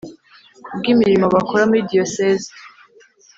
kubw imirimo bakora muri Diyoseze